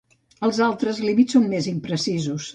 Els altres límits són més imprecisos.